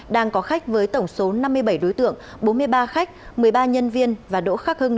đang có khách với tổng số năm mươi bảy đối tượng bốn mươi ba khách một mươi ba nhân viên và đỗ khắc hưng